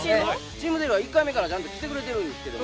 チームＺＥＲＯは１回目からちゃんと来てくれてるんですけど。